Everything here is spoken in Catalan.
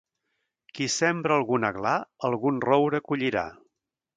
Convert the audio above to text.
Qui sembra algun aglà, algun roure collirà.